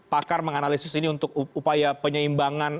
pakar menganalisis ini untuk upaya penyeimbangan